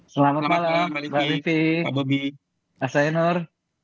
selamat malam mbak lifi pak bobi mas zainur